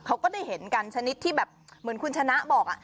ก็ได้เห็นกันชนิดที่แบบเหมือนคุณชนะบอก